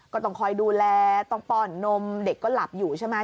ก็ต้องคอยดูแลต้องป้อนนมเด็กก็หลับอยู่ใช่ไหม